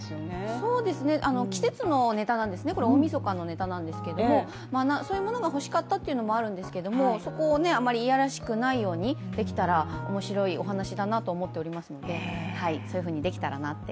そうですね、季節のネタなんですね、これ大みそかのネタなんですけれどもそういうものが欲しかったというものもあるんですが、そこをあまりいやらしくないようにできたら面白いおはなしだなと思っていますのでそういうふうにできたらなって。